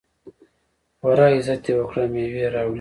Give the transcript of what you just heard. خورا عزت یې وکړ او مېوې یې راوړې.